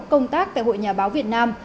công tác tại hội nhà báo việt nam